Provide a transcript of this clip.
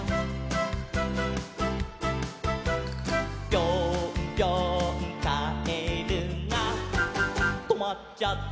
「ぴょんぴょんカエルがとまっちゃった」